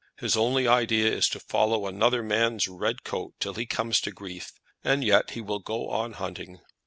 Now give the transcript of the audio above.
His only idea is to follow another man's red coat till he comes to grief; and yet he will go on hunting.